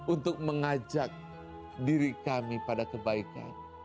untuk mengajak diri kami pada kebaikan